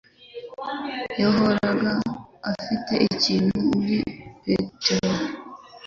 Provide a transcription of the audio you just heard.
Yahoraga afite ikintu kuri Petero